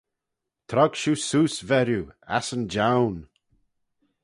Trog shiu seose, verriu, ass yn joan!